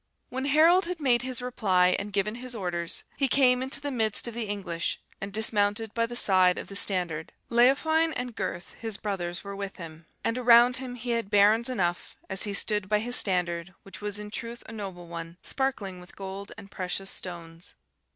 "When Harold had made his reply, and given his orders, he came into the midst of the English, and dismounted by the side of the standard: Leofwin and Gurth, his brothers, were with him, and around him he had barons enough, as he stood by his standard, which was in truth a noble one, sparkling with gold and precious stones.